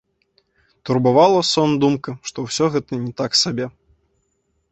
Турбавала сон думка, што ўсё гэта не так сабе.